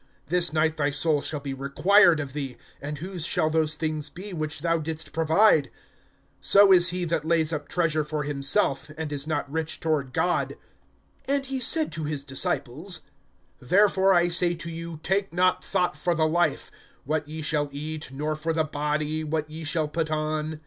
this night thy soul shall be required of thee; and whose shall those things be, which thou didst provide? (21)So is he that lays up treasure for himself, and is not rich toward God. (22)And he said to his disciples: Therefore I say to you, take not thought for the life, what ye shall eat, nor for the body, what ye shall put on.